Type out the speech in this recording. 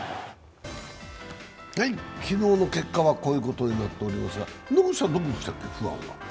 昨日の結果はこういうことになっておりますが、野口さんどこでしたっけ、ファンは？